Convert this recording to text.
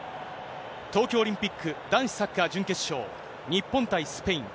東京オリンピック男子サッカー準決勝、日本対スペイン。